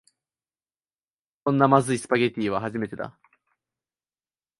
こんなまずいスパゲティは初めてだ